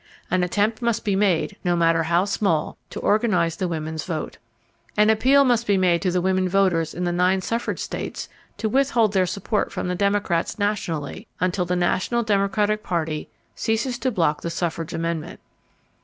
An attempt must be made, no matter how small, to organize the women's vote. An appeal must be made to the women voters in the nine suffrage states to withhold their support from the Democrats nationally, until the national Democratic Party ceases to block the suffrage amendment.